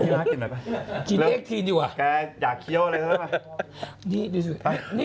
ให้พี่ฮะกินหน่อยไป